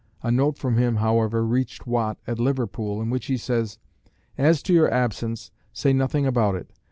A note from him, however, reached Watt at Liverpool, in which he says, "As to your absence, say nothing about it.